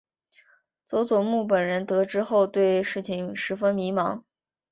佐佐木本人得知后对事情十分迷惘。